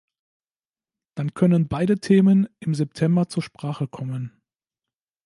Dann können beide Themen im September zur Sprache kommen.